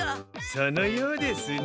そのようですね。